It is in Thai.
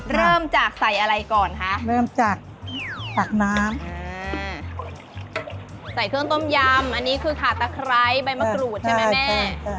เริ่มจากใส่อะไรก่อนคะเริ่มจากตักน้ำอ่าใส่เครื่องต้มยำอันนี้คือขาตะไคร้ใบมะกรูดใช่ไหมแม่